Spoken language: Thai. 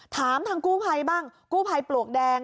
ถามทางกู้ภัยบ้างกู้ภัยปลวกแดง